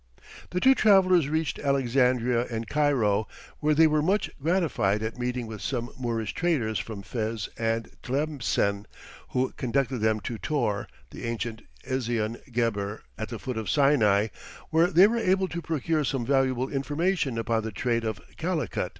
The two travellers reached Alexandria and Cairo, where they were much gratified at meeting with some Moorish traders from Fez and Tlemcen, who conducted them to Tor the ancient Ezion geber at the foot of Sinai, where they were able to procure some valuable information upon the trade of Calicut.